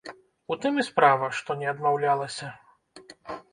У тым і справа, што не адмаўлялася.